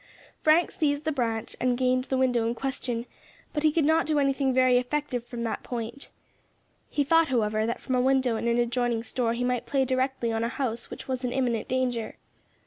Frank seized the branch and gained the window in question, but could not do anything very effective from that point. He thought, however, that from a window in an adjoining store he might play directly on a house which was in imminent danger.